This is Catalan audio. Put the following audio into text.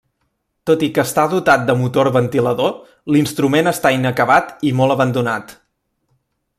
Tot i que està dotat de motor ventilador, l’instrument està inacabat i molt abandonat.